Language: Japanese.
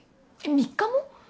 ３日も？